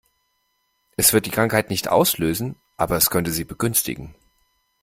Es wird die Krankheit nicht auslösen, aber es könnte sie begünstigen.